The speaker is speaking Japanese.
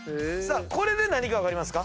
これで何か分かりますか？